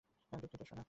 আমি দুঃখিত, সোনা।